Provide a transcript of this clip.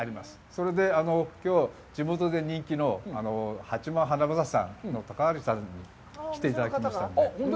それで、きょう地元で人気の八幡はなぶささんの高平さんに来ていただきました。